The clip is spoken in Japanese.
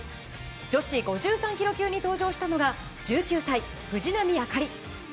女子５３ｋｇ級に登場したのが１９歳、藤波朱理。